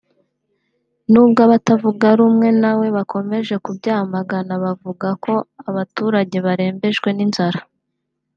n’ubwo abatavuga rumwe nawe bakomeje kubyamagana bavuga ko abaturage barembejwe n’inzara